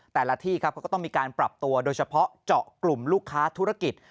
แต่ละที่ครับเขาก็ต้องมีการปรับตัวโดยเฉพาะเจาะกลุ่มลูกค้าธุรกิจ